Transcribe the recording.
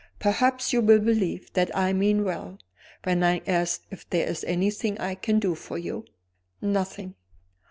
"Perhaps you will believe that I mean well, when I ask if there is anything I can do for you?" "Nothing!"